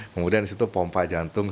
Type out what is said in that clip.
kemudian disitu pompa jantung